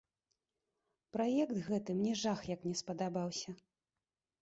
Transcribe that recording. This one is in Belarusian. Праект гэты мне жах як не спадабаўся.